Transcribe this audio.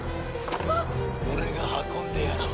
俺が運んでやろう。